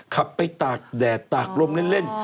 ขับไปตากแดดตากลมเล่น